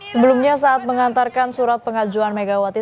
sebelumnya saat mengantarkan surat pengajuan megawati